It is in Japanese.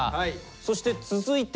そして続いては？